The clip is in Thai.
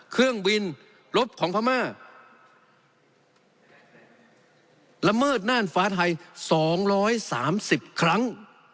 เครื่องบินลบของพม่าละเมิดน่านฟ้าไทย๒๓๐ครั้ง